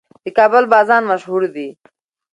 د کابل بازان مشهور دي